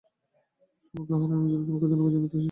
সুমোকে হারানোর জন্য তোমাকে ধন্যবাদ জানাতে এসেছি।